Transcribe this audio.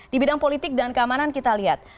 di bidang politik dan keamanan kita lihat